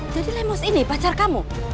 jadi lemos ini pacar kamu